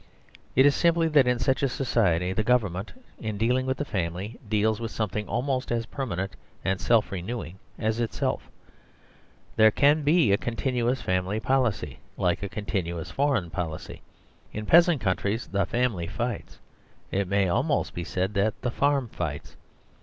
It is simply that in such a society the government, in dealing with the family, deals with something almost as per manent and self renewing as itself. There can be a continuous family policy, like a continuous foreign policy. In peasant coun tries the family fights, it may almost be said that the farm fights.